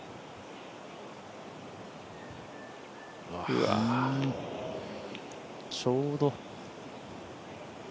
うわ、ちょうど。